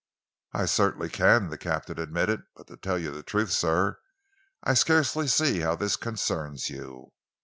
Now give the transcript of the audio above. "I certainly can," the captain admitted, "but to tell you the truth, sir, I scarcely see how this concerns you."